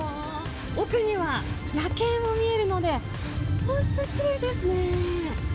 奥には夜景も見えるので、本当きれいですね。